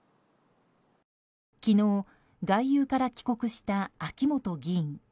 昨日、外遊から帰国した秋本議員。